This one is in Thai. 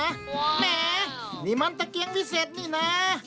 แหมนี่มันตะเกียงวิเศษนี่นะ